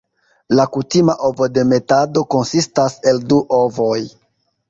La kutima ovodemetado konsistas el du ovoj.